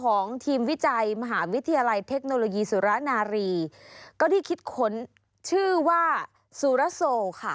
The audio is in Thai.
ของทีมวิจัยมหาวิทยาลัยเทคโนโลยีสุรนารีก็ได้คิดค้นชื่อว่าซูรโซค่ะ